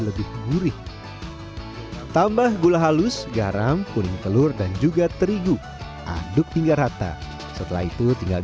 lebih gurih tambah gula halus garam kuning telur dan juga terigu aduk hingga rata setelah itu tinggal